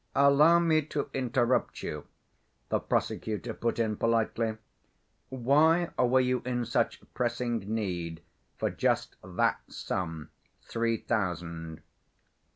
"Allow me to interrupt you," the prosecutor put in politely. "Why were you in such pressing need for just that sum, three thousand?"